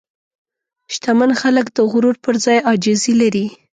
شتمن خلک د غرور پر ځای عاجزي لري.